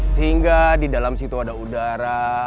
sehingga di dalam situ ada udara